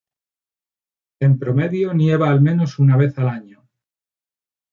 En promedio, nieva al menos una vez al año.